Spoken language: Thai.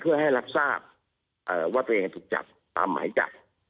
เพื่อให้รับทราบว่าตัวเองถูกจับตามหมายจับ